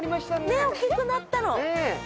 ねぇ、大きくなったの。